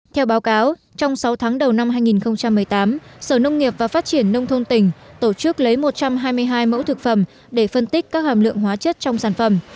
theo báo cáo trong sáu tháng đầu năm hai nghìn một mươi tám sở nông nghiệp và phát triển nông thôn tỉnh tổ chức lấy một trăm hai mươi hai mẫu thực phẩm để phân tích các hàm lượng hóa chất trong sản phẩm